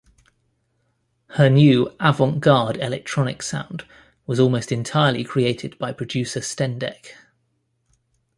Her new avant-garde electronic sound was almost entirely created by producer Stendek.